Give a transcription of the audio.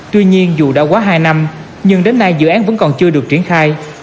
tuy nhiên dù đã quá hai năm nhưng đến nay dự án vẫn còn chưa được triển khai